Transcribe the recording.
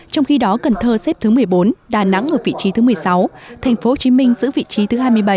trong khi đó cần thơ xếp thứ một mươi bốn đà nẵng ở vị trí thứ một mươi sáu tp hcm giữ vị trí thứ hai mươi bảy